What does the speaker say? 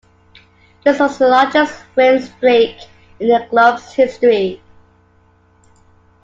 This was the largest win streak in the club's history.